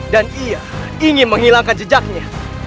dan ia ingin menghilangkan jejaknya